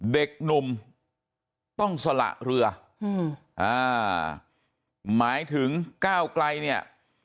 เด็กหนุ่มต้องสละเรือหมายถึงก้าวไกลเนี่ย